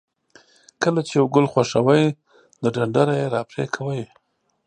کله چې یو ګل خوښوئ د ډنډره یې را پرې کوئ.